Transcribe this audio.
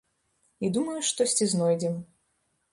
І думаю, штосьці знойдзем.